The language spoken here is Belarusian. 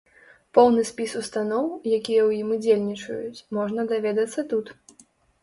Поўны спіс устаноў, якія ў ім удзельнічаюць, можна даведацца тут.